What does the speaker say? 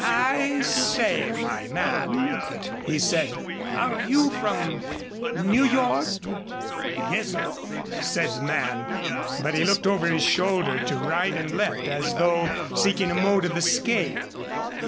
"I say, my man," he said, "are you from New York?" "Yes, sir," said the man, but he looked over his shoulder to right and left as though seeking a mode of escape.